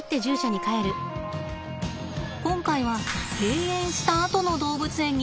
今回は閉園したあとの動物園に注目しました。